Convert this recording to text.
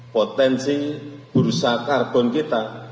potensi perusahaan karbon kita